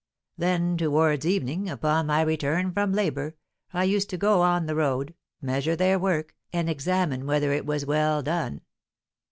Then, towards evening, upon my return from labour, I used to go on the road, measure their work, and examine whether it was well done."